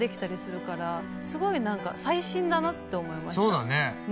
そうだね。